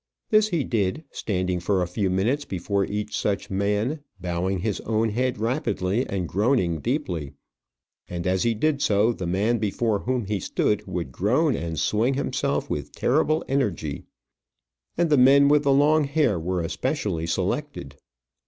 This he did, standing for a few minutes before each such man, bowing his own head rapidly and groaning deeply; and as he did so, the man before whom he stood would groan and swing himself with terrible energy. And the men with the long hair were especially selected.